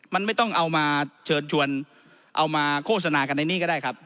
มันไม่ต้องเอามาเชิญชวนเอามาโฆษณากันในนี้ก็ได้ครับ